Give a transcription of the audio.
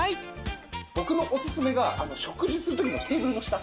僕のおすすめが食事する時のテーブルの下。